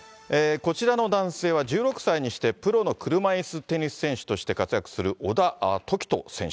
こちらの男性は１６歳にしてプロの車いすテニス選手として活躍する小田凱人選手。